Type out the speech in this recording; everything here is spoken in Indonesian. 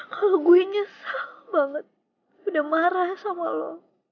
kalau gue nyesel banget udah marah sama lo